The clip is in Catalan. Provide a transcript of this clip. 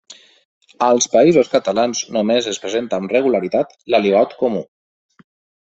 Als Països Catalans només es presenta amb regularitat l'aligot comú.